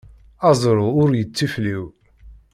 Aẓru ur yettifliw.